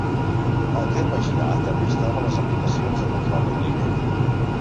El terme "girar" també es troba en les aplicacions de control de moviment.